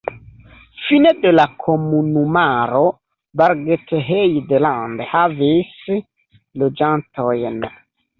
Fine de la komunumaro Bargteheide-Land havis loĝantojn.